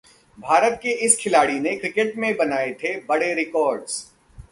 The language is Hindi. भारत के इस खिलाड़ी ने क्रिकेट में बनाए ये बड़े रिकॉर्ड्स